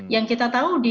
yang kita tahu di